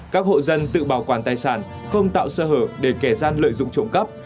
các hộ dân tự bảo quản tài sản không tạo sơ hở để kẻ gian lợi dụng trộm cắp